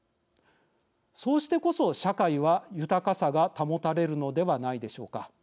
そうしてこそ、社会は豊かさが保たれるのではないでしょうか。